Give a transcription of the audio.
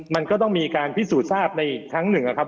มันก็ต้องมีการพิสูจน์ทราบในอีกครั้งหนึ่งนะครับ